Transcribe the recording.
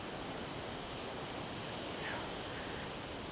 そう。